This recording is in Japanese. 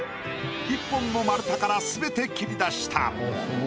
１本の丸太から全て切り出した。